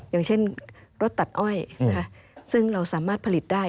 อย่างเช่นรถตัดอ้อยนะคะซึ่งเราสามารถผลิตได้